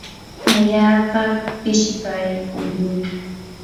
allaapa pishikaykurquu.